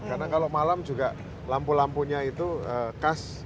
karena kalau malam juga lampu lampunya itu khas